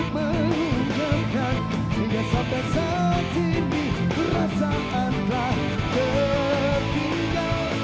menjadikan bintang di surga